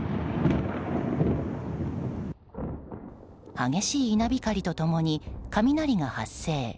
激しい稲光と共に雷が発生。